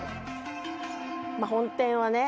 まぁ本店はね